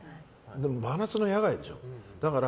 真夏の野外でしょ。